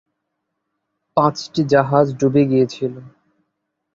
পাঁচটি জাহাজ ডুবে গিয়েছিল।